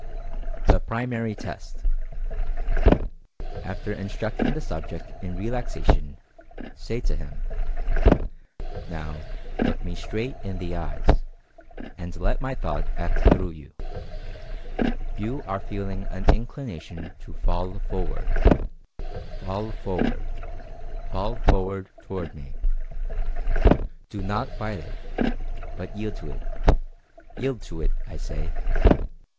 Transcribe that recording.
THE PRIMARY TEST. After instructing the subject in relaxation, say to him: "Now, look me straight in the eyes, and let my Thought act through you. You are feeling LOfC. ioo Mental Fascination an inclination to fall forward — fall forward — FALL FORWARD toward me ! Do not fight it, but yield to it — yield to it, I say